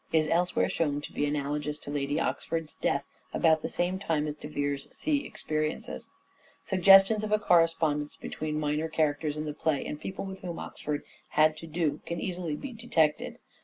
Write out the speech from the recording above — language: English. DRAMATIC SELF REVELATION 477 elsewhere shown to be analogous to Lady Oxford's death about the same time as De Vere's sea experiences. Suggestions of a correspondence between minor characters in the play and people with whom Oxford had to do can easily be detected.